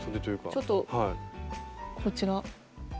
ちょっとこちら。